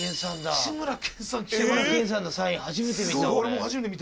志村けんさんのサイン初めて見た俺。